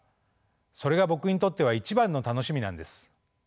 それが僕にとっては一番の楽しみなんです。